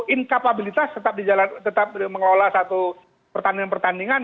incapabilitas tetap mengelola satu pertandingan pertandingan